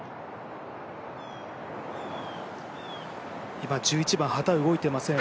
今、１１番、旗は動いていません。